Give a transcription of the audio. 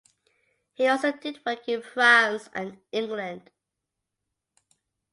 He also did work in France and England.